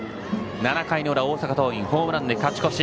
７回裏、大阪桐蔭がホームランで勝ち越し。